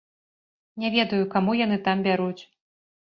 Не ведаю, каму яны там бяруць.